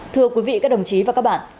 thưa quý vị các đồng chí và các bạn